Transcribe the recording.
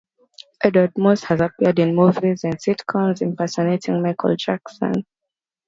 Edward Moss has appeared in movies and sitcoms, impersonating Michael Jackson.